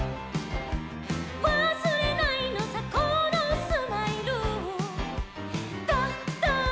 「わすれないのさこのスマイル」「ドド」